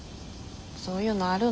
そういうのあるの。